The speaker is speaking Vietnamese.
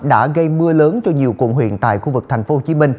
đã gây mưa lớn cho nhiều quận huyện tại khu vực tp hcm